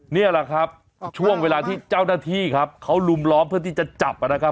นี่แหละครับช่วงเวลาที่เจ้าหน้าที่ครับเขาลุมล้อมเพื่อที่จะจับนะครับ